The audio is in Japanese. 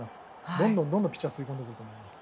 どんどんピッチャーをつぎ込んでくると思います。